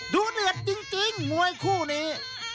ดูเดือดจริงมวยคู่นี้